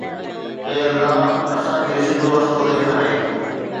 اي الله اسان کي سڌو رستو ڏيکاري